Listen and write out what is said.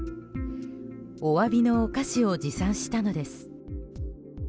おわびのお菓子を持参したのです。